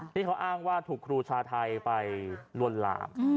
ที่เขาอ้างว่าถูกครูชาไทยไปลวนลาม